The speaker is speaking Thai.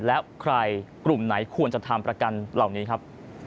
และใครกลุ่มไหนควรจะทำประกันเหล่านี้ครับ